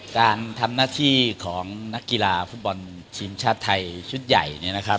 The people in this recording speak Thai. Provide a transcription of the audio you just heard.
การทำหน้าที่ของนักกีฬาผู้บอลทีมชาติไทยชุดใหญ่